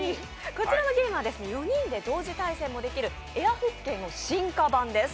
こちらのゲームは４人で同時対戦もできるエアホッケーの進化版です。